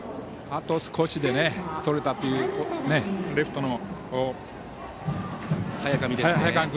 あと少しでとれたというレフトの早上君。